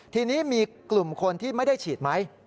ทีนี้มีกลุ่มคนที่ไม่ได้ฉีดไหม